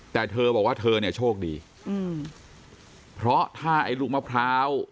แต่เธอบอกว่าเธอเนี่ยโชคดีอืมเพราะถ้าไอ้ลูกมะพร้าว